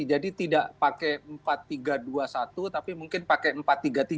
jadi tidak pakai empat tiga dua satu tapi mungkin pakai empat tiga tiga